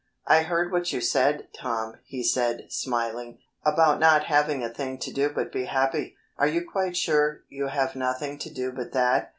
"I heard what you said, Tom," he said, smiling, "about not having a thing to do but be happy. Are you quite sure you have nothing to do but that?"